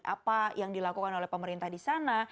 apa yang dilakukan oleh pemerintah di sana